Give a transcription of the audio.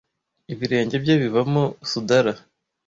ibirenge bye bivamo Sudara